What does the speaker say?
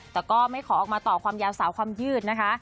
แต่ก็ไม่ขอออกมาต่อความยาวสาวความยืดนะคะ